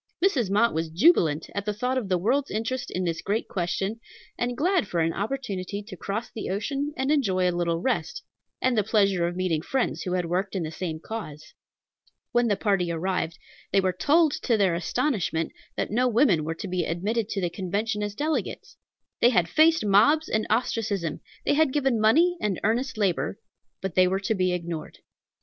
Mrs. Mott was jubilant at the thought of the world's interest in this great question, and glad for an opportunity to cross the ocean and enjoy a little rest, and the pleasure of meeting friends who had worked in the same cause. When the party arrived, they were told, to their astonishment, that no women were to be admitted to the Convention as delegates. They had faced mobs and ostracism; they had given money and earnest labor, but they were to be ignored.